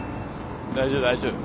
大丈夫大丈夫。